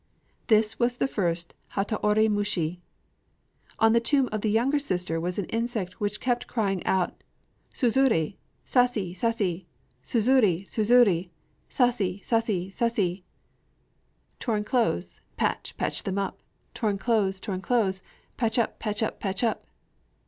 _ This was the first hataori mushi. On the tomb of the younger sister was an insect which kept crying out, "Tsuzuré sasé, sasé! tsuzuré, tsuzuré sasé, sasé, sasé!" (Torn clothes patch, patch them up! torn clothes, torn clothes patch up, patch up, patch up!)